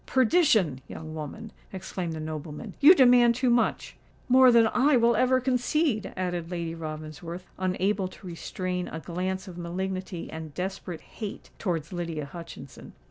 "Perdition! young woman," exclaimed the nobleman; "you demand too much!" "More than I will ever concede," added Lady Ravensworth, unable to restrain a glance of malignity and desperate hate towards Lydia Hutchinson.